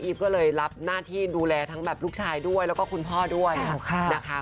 ก็เลยรับหน้าที่ดูแลทั้งแบบลูกชายด้วยแล้วก็คุณพ่อด้วยนะคะ